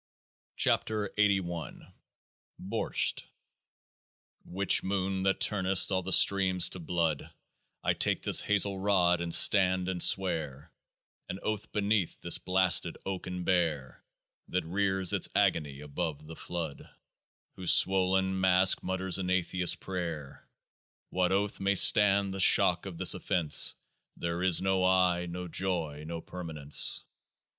98 KEOAAH FIB BORTSCH Witch moon that turnest all the streams to blood, I take this hazel rod, and stand, and swear An Oath beneath this blasted Oak and bare That rears its agony above the flood Whose swollen mask mutters an atheist's prayer. What oath may stand the shock of this offence :" There is no I, no joy, no permanence